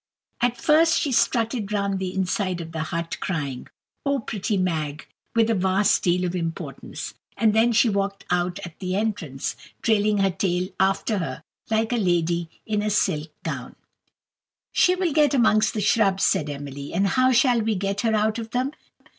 And first she strutted round the inside of the hut, crying, "Oh, pretty Mag!" with a vast deal of importance, and then she walked out at the entrance, trailing her tail after her, like a lady in a silk gown. "She will get amongst the shrubs," said Emily; "and how shall we get her out of them?"